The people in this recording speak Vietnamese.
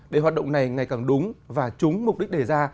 để hoạt động này ngày càng đúng và trúng mục đích đề ra